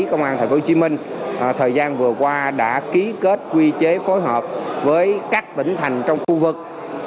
công an tp hcm thời gian vừa qua đã ký kết quy chế phối hợp với các tỉnh thành trong khu vực